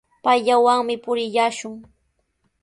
Payllawanmi purillashun.